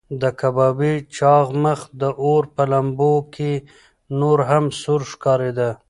د کبابي چاغ مخ د اور په لمبو کې نور هم سور ښکارېده.